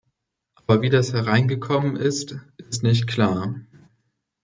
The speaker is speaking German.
Aber wie das hereingekommen ist, ist nicht klar.